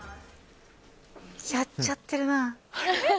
やっちゃってるな。